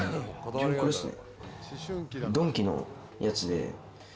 自分これですね。